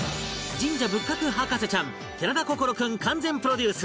神社仏閣博士ちゃん寺田心君完全プロデュース